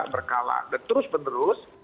berkala dan terus penerus